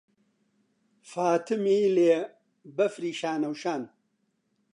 فاتمیلێ بەفری شانەوشان